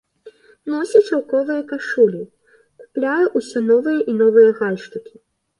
Носіць шаўковыя кашулі, купляе ўсё новыя і новыя гальштукі.